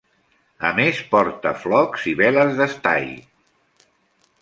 A més porta flocs i veles d'estai.